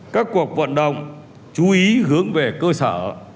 các cuộc vận động chú ý hướng về cơ sở